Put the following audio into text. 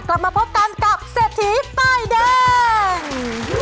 กลับมาพบกันกับเศรษฐีป้ายแดง